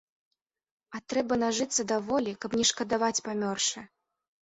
А трэба нажыцца даволі, каб не шкадаваць памёршы.